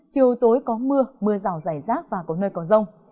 chiều tối có mưa mưa rào rải rác và có nơi có rông